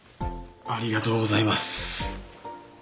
ありがとうございます。